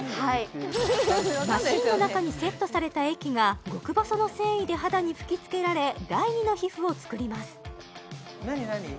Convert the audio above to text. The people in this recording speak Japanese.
マシンの中にセットされた液が極細の繊維で肌に吹きつけられ第２の皮膚を作ります何何？